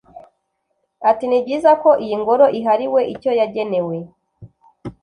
Ati “Ni byiza ko iyi ngoro ihariwe icyo yagenewe